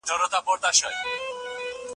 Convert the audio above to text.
چي ماشوم وم را ته مور کیسه کوله